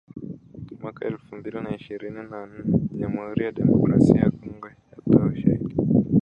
mwaka elfu mbili na ishirini na nane jamuhuri ya demokrasia ya Kongo yatoa ushahidi